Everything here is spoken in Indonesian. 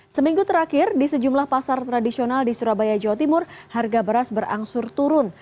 seminggu terakhir di sejumlah pasar tradisional di surabaya jawa timur harga beras berangsur turun